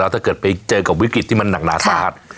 ถ้าเกิดไปเจอกับวิกฤตที่มันหนักหนาสาหัส